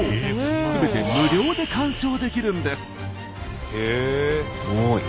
すべて無料で鑑賞できるんです。